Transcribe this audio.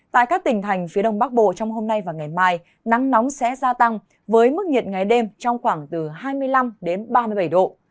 tại các tỉnh thành phía đông bắc bộ trong hôm nay và ngày mai nắng nóng sẽ gia tăng với mức nhiệt ngày đêm trong khoảng từ hai mươi năm đến ba mươi bảy độ